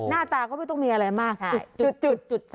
หน้าตาก็ไม่ต้องมีอะไรมากค่ะ